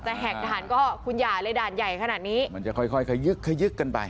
แหกด่านก็คุณอย่าเลยด่านใหญ่ขนาดนี้มันจะค่อยค่อยขยึกขยึกกันไป